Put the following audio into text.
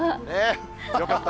よかった。